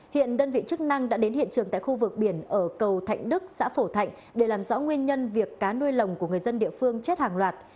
hiện đơn vị chức năng đã đến hiện trường tại khu vực biển ở cầu thạnh đức xã phổ thạnh để làm rõ nguyên nhân việc cá nuôi lồng của người dân địa phương chết hàng loạt